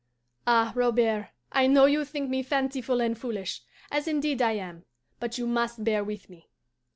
Ah, Robert, I know you think me fanciful and foolish, as indeed I am; but you must bear with me.